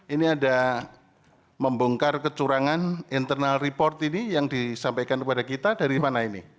ini ada membongkar kecurangan internal report ini yang disampaikan kepada kita dari mana ini